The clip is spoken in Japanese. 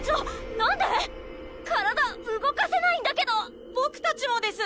なんで⁉体動かせないんだけど⁉ボクたちもです！